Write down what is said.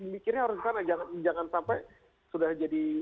mikirnya harus karena jangan sampai